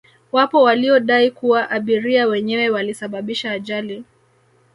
wapo waliodai kuwa abiria wenyewe walisababisha ajali